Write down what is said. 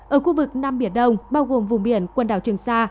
ở khu vực nam biển đông bao gồm vùng biển quần đảo trường sa